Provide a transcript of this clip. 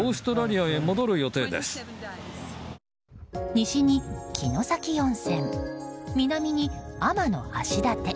西に城崎温泉、南に天橋立。